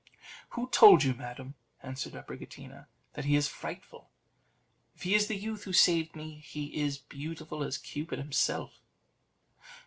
"Who told you, madam," answered Abricotina, "that he is frightful? If he is the youth who saved me, he is beautiful as Cupid himself."